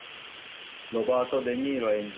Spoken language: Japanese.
ロバート・デ・ニーロ演じる